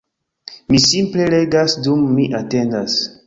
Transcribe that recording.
Mi simple legas dum mi atendas